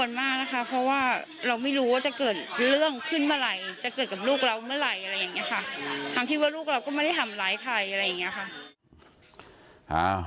ทำเมื่อกับลูกเราก็ไม่ได้ทำร้ายใคร